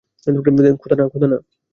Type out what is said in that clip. খোদা, না।